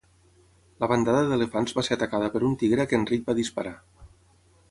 La bandada d'elefants va ser atacada per un tigre a què en Rik va disparar.